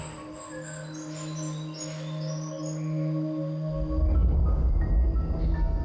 suga balik lagi ke surat ini